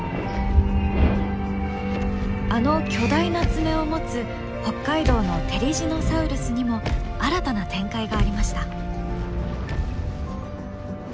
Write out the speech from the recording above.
あの巨大な爪を持つ北海道のテリジノサウルスにも新たな展開がありました。